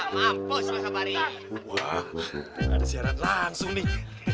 wah ada siaran langsung nih